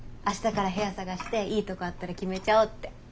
明日から部屋探していいとこあったら決めちゃおうって。